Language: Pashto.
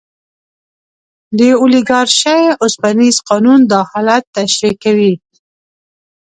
د اولیګارشۍ اوسپنیز قانون دا حالت تشریح کوي.